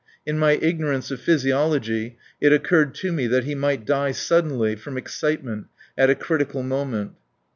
In my ignorance of physiology it occurred to me that he might die suddenly, from excitement, at a critical moment.